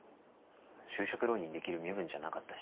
就職浪人できる身分じゃなかったし。